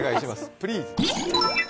プリーズ。